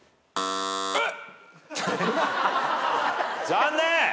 残念！